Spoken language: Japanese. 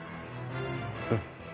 うん。